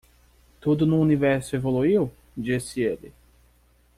"Tudo no universo evoluiu?", disse ele.